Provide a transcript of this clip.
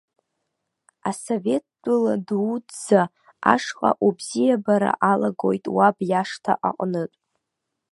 Асовет тәыла дуӡӡа ашҟа убзиабара алагоит уаб иашҭа аҟнытә.